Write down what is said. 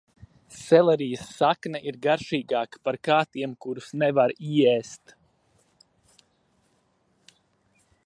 Selerijas sakne ir garšīgāka par kātiem, kurus nevaru ieēst.